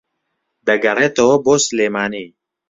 دەگەڕێتەوە بۆ سلێمانی